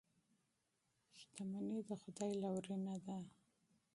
شتمني د خدای لورینه ده.